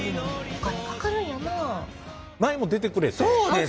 前も出てくれて。